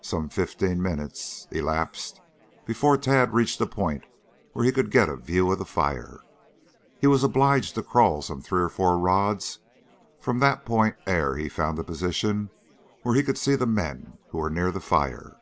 Some fifteen minutes elapsed before Tad reached a point where he could get a view of the fire. He was obliged to crawl some three or four rods from that point ere he found a position where he could see the men who were near the fire.